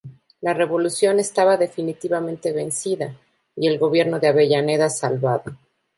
La revolución estaba definitivamente vencida, y el gobierno de Avellaneda salvado.